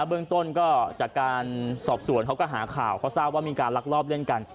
เบื้องต้นก็จากการสอบสวนเขาก็หาข่าวเขาทราบว่ามีการลักลอบเล่นกัน